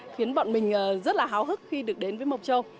khiến bọn mình rất là háo hức khi được đến với mộc châu